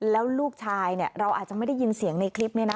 แล้วลูกชายเราอาจจะไม่ได้ยินเสียงในคลิปนี้นะ